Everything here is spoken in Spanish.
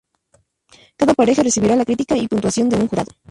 Cada pareja recibirá la crítica y puntuación de un jurado.